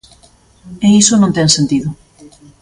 E iso non ten sentido.